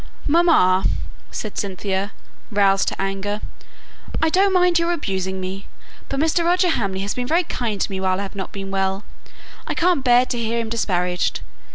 "Mamma," said Cynthia, roused to anger, "I don't mind your abusing me, but Mr. Roger Hamley has been very kind to me while I've not been well: I can't bear to hear him disparaged.